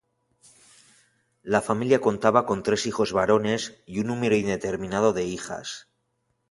La familia contaba con tres hijos varones y un número indeterminado de hijas.